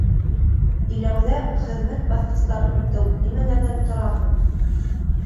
Иләүҙә хеҙмәт баҫҡыстарын үтеү нимәләрҙән тора һуң?